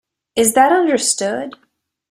Is that understood?